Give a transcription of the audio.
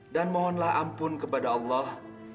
dan mohonlah ampun kepada allah